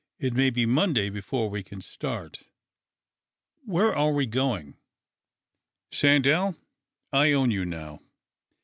It may be Monday before we can start." " AVhere are we going ?"" Sandell, I own you now.